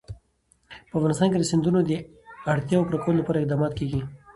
په افغانستان کې د سیندونه د اړتیاوو پوره کولو لپاره اقدامات کېږي.